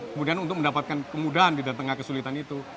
kemudian untuk mendapatkan kemudahan di tengah kesulitan itu